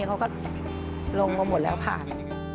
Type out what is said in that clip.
เขาก็ลงมาหมดแล้วผ่าน